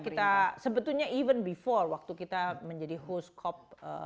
kita sebetulnya even before waktu kita menjadi host cop